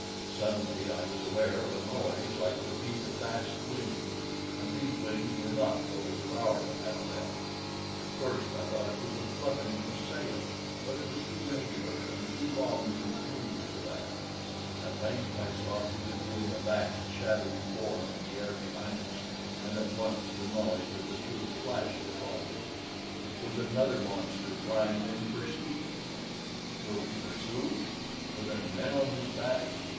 Suddenly I was aware of a noise like the beat of vast wings, and these wings were not those of our athaleb. At first I thought it was the fluttering of a sail, but it was too regular and too long continued for that. At length I saw through the gloom a vast shadowy form in the air behind us, and at once the knowledge of the truth flashed upon me. It was another monster flying in pursuit! Were we pursued? Were there men on his back?